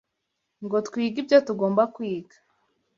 ngo twige ibyo tugomba kwiga